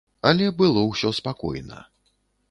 Але было ўсё спакойна.